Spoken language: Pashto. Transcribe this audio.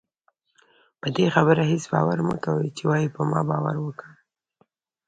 پدې خبره هېڅ باور مکوئ چې وايي په ما باور وکړه